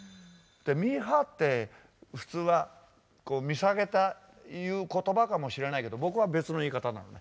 ミーハーって普通は見下げて言う言葉かもしれないけど僕は別の言い方なのね。